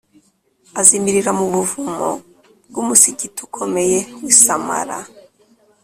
azimirira mu buvumo bw’umusigiti ukomeye w’i sāmarra